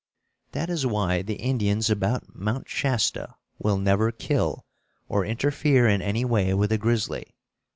That is why the Indians about Mount Shasta will never kill or interfere in any way with a grizzly.